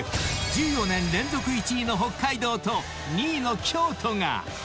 １４年連続１位の北海道と２位の京都が］